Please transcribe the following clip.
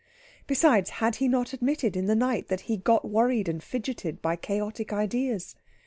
Besides, had he not admitted, in the night, that he "got worried and fidgeted by chaotic ideas"?